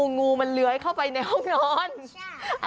งูมันเลื้อยเข้าไปในห้องนอน